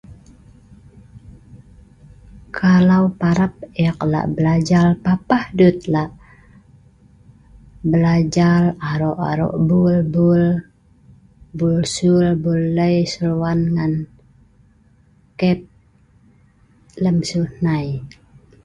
Kalau parab ek lak belajar papah dut lak belajar aro -aro bul-bul, bul suel, bul lei seluwan ngan kep lem siu hnai